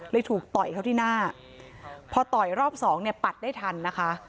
ถูกต่อยเขาที่หน้าพอต่อยรอบสองเนี่ยปัดได้ทันนะคะ